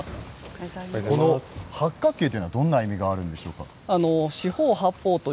この八角形というのはどういう意味があるんでしょうか。